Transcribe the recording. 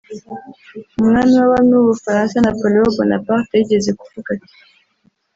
Umwami w’abami w’u Bufaransa Napoleon Bonaparte yigeze kuvuga ati